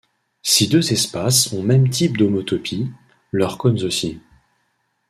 Si deux espaces ont même type d'homotopie, leurs cônes aussi.